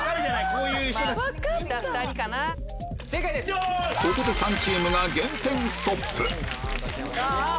ここで３チームが減点ストップあ